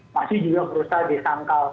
masih juga berusaha disangkal